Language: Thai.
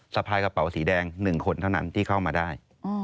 สะพายกระเป๋าสีแดง๑คนเท่านั้นที่เข้ามาได้